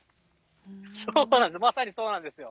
そうなんです、まさにそうなんですよ。